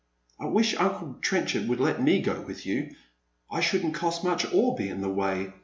I wish uncle Trenchard would let me go with you. I shouldn't cost much or be in his way.